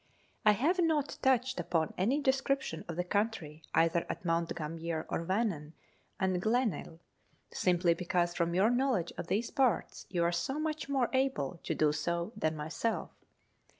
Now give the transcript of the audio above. I have not touched upon any description of the country either at Mount Gambier, or Wannon, and Glenelg, simply because from your knowledge of these parts you are so much more able to do so than myself.